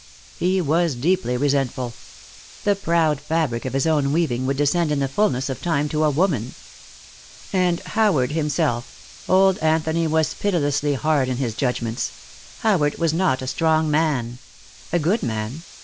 He was deeply resentful. The proud fabric of his own weaving would descend in the fullness of time to a woman. And Howard himself old Anthony was pitilessly hard in his judgments Howard was not a strong man. A good man.